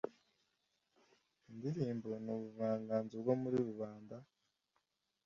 Indirimbo ni ubuvangazo bwo muri rubanda